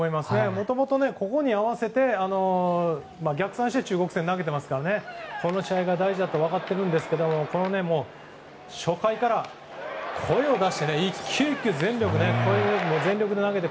もともとここに合わせて逆算して、中国戦を投げてますから、この試合が大事だと分かってるんですけど初回から声を出して１球１球全力で投げて。